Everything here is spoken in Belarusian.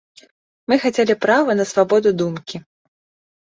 Мы хацелі права на свабоду думкі.